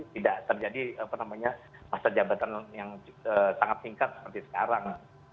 tidak terjadi masa jabatan yang sangat singkat seperti sekarang